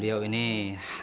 liat aku pergi ya